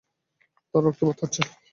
তার রক্তপাত হচ্ছে।